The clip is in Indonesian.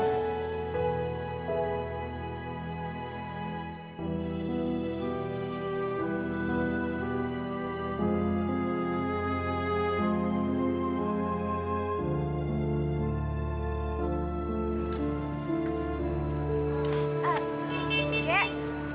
ini tongkatnya ketinggalan